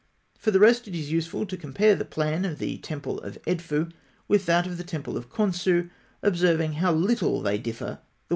For the rest, it is useful to compare the plan of the temple of Edfû (fig. 83) with that of the temple of Khonsû, observing how little they differ the one from the other.